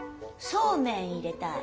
そうめん入れたい。